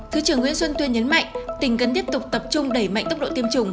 thứ trưởng nguyễn xuân tuyên nhấn mạnh tỉnh cần tiếp tục tập trung đẩy mạnh tốc độ tiêm chủng